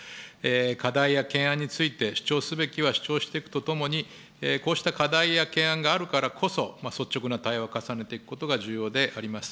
課題や懸案について、主張すべきは主張していくとともに、こうした課題や懸案があるからこそ、率直な対話を重ねていくことが重要であります。